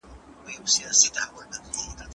د أحسن القصص يادونه هم د ارزښت انګيزه ايجادوي: